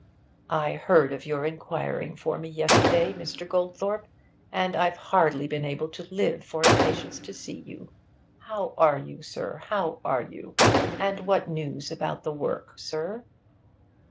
'I heard of your inquiring for me yesterday, Mr. Goldthorpe, and I've hardly been able to live for impatience to see you. How are you, sir? How are you? And what news about the work, sir?'